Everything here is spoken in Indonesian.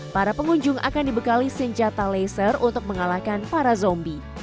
para pengunjung akan dibekali senjata laser untuk mengalahkan para zombie